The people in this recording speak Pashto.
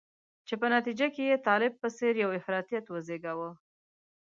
چې په نتیجه کې یې طالب په څېر یو افراطیت وزیږاوه.